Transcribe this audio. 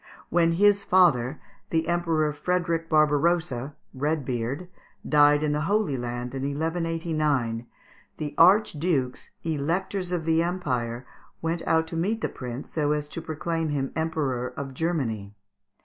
When his father, the Emperor Frederick Barbarossa (Red beard), died in the Holy Land, in 1189, the Archdukes, Electors of the Empire, went out to meet the prince so as to proclaim him Emperor of Germany.